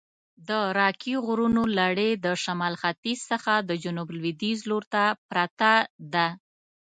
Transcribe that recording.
د راکي غرونو لړي د شمال ختیځ څخه د جنوب لویدیځ لورته پرته ده.